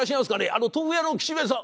あの豆腐屋の吉兵衛さん！